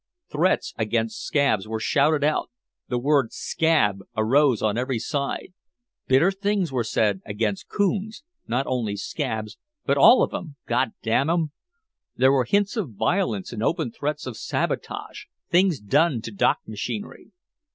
Threats against "scabs" were shouted out, the word "scab" arose on every side. Bitter things were said against "coons," not only "scabs" but "all of 'em, God damn 'em!" There were hints of violence and open threats of sabotage, things done to dock machinery.